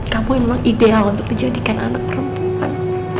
kamu memang ideal untuk dijadikan anak perempuan